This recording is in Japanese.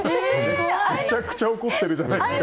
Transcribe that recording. めちゃくちゃ怒ってるじゃないですか。